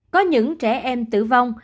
có những trẻ em tử vong